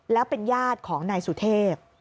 แล้วเป็นญาติของนายสุเทพ